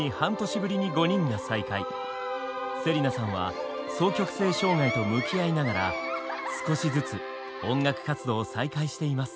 芹奈さんは双極性障害と向き合いながら少しずつ音楽活動を再開しています。